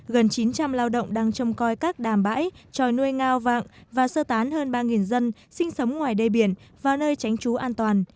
gần chín trăm linh lao động đang trông coi các đàm bãi tròi nuôi ngao vạng và sơ tán hơn ba dân sinh sống ngoài đê biển vào nơi tránh trú an toàn